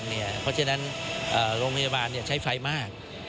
เพราะฉะนั้นโรงพยาบาลใช้ไฟมาก